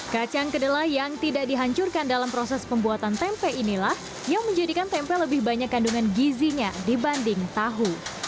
kacang kedelai yang tidak dihancurkan dalam proses pembuatan tempe inilah yang menjadikan tempe lebih banyak kandungan gizinya dibanding tahu